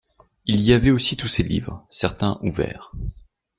Il y avait aussi tous ces livres, certains ouverts